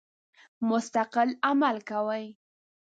مستقل عمل کوي.